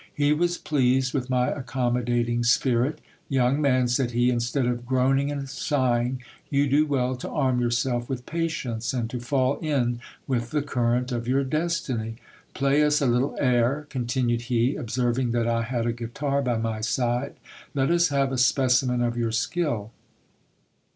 He was pleased with my accommodating spirit Young man, said he, instead of groaning and sighing, you do well to arm yourself with patience, and to fall in with the current of your destiny. Play us a little air, continued he, observing that I had a guitar by my side ; let us have a specimen of your skill.